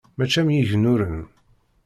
Mačči am yigennuren.